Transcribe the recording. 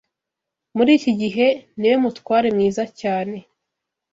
Muri iki gihe, niwe mutware mwiza cyane.